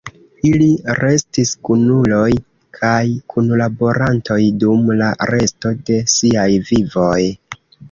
Ili restis kunuloj kaj kunlaborantoj dum la resto de siaj vivoj.